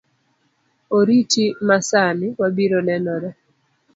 Oriti masani, wabiro nenore